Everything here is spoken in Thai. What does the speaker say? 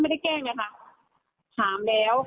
ไม่ได้แจ้งยักษ์ค่ะ